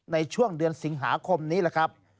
ในช่วงเดือนสิงหาคมนี้แหละครับ